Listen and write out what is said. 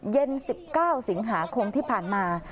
๑๙สิงหาคมที่ผ่านมา